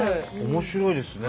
面白いですね。